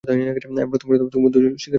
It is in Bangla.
আমি প্রথমে আমার দোষ স্বীকার করে নিচ্ছি।